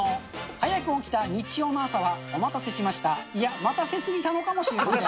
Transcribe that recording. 早く起きた日曜の朝はお待たせしました、いや、待たせ過ぎたのかもしれません。